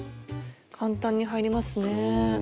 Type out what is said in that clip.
簡単に入りますね。